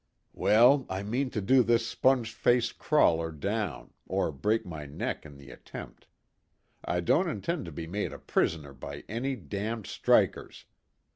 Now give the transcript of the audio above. "Well, I mean to do this sponge faced crawler down, or break my neck in the attempt. I don't intend to be made a prisoner by any damned strikers.